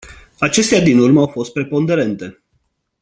Acestea din urmă au fost preponderente.